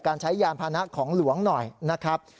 ใช้ยานพานะของหลวงหน่อยนะครับ